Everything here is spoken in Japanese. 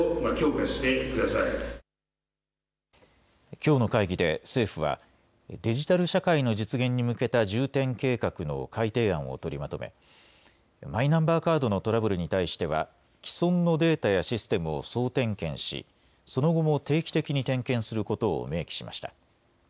きょうの会議で政府はデジタル社会の実現に向けた重点計画の改定案を取りまとめマイナンバーカードのトラブルに対しては既存のデータやシステムを総点検し、その後も定期的に点検することを明記しました。